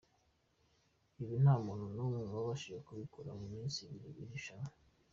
Ibi nta muntu n’umwe wabashije kubikora mu minsi ibiri y’irushanwa.